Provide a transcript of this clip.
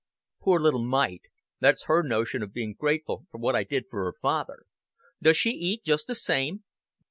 "Poor little mite. That's her notion of being grateful for what I did for her father. Does she eat just the same?"